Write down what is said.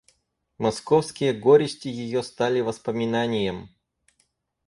Московские горести ее стали воспоминанием.